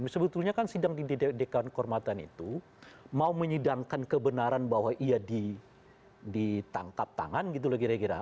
sebetulnya kan sidang di dekan kehormatan itu mau menyidangkan kebenaran bahwa ia ditangkap tangan gitu lah kira kira